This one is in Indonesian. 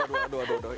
aduh aduh aduh aduh